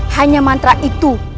hanya mantra itu